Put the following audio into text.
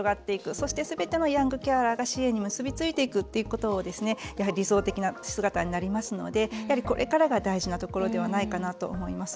そしてすべてのヤングケアラーが支援に結び付いていくということ理想的な姿になりますのでこれからが大事なところではないかなと思います。